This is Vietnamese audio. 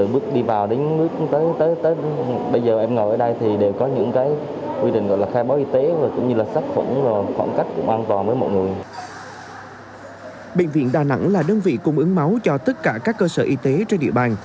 bệnh viện đà nẵng là đơn vị cung ứng máu cho tất cả các cơ sở y tế trên địa bàn